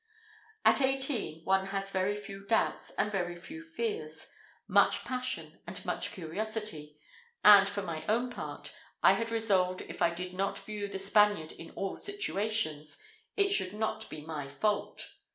At eighteen, one has very few doubts, and very few fears; much passion, and much curiosity; and for my own part, I had resolved if I did not view the Spaniard in all situations, it should not be my fault.